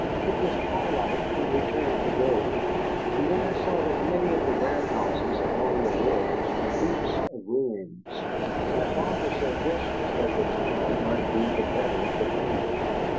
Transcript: It was twilight when we turned to go, and then I saw that many of the warehouses along the wharves were heaps of ruins. My father said this was that the town might be the better defended.